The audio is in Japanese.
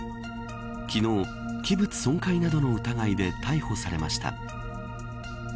昨日、器物損壊などの疑いで逮捕されました。